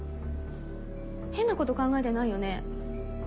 変なこと考えてないよね？